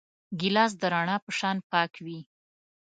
ګیلاس د رڼا په شان پاک وي.